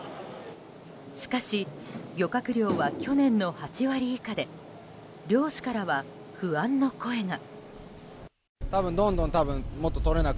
しかし漁獲量は去年の８割以下で漁師からは不安の声も。